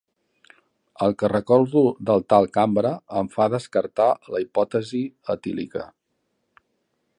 El que recordo del tal Cambra em fa descartar la hipòtesi etílica.